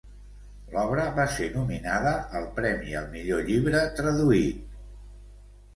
L'obra va ser nominada al premi al Millor llibre traduït.